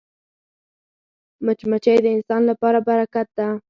مچمچۍ د انسان لپاره برکت ده